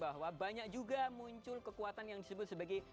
bahwa banyak juga muncul kekuatan yang disebut sebagai